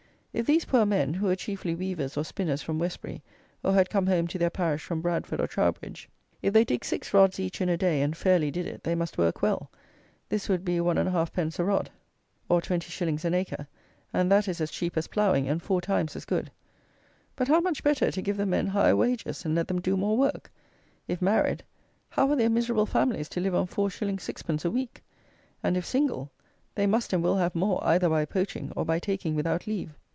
If these poor men, who were chiefly weavers or spinners from Westbury, or had come home to their parish from Bradford or Trowbridge; if they digged six rods each in a day, and fairly did it, they must work well. This would be 1 1/2_d._ a rod, or 20_s._ an acre; and that is as cheap as ploughing, and four times as good. But how much better to give the men higher wages, and let them do more work? If married, how are their miserable families to live on 4_s._ 6_d._ a week? And, if single, they must and will have more, either by poaching, or by taking without leave.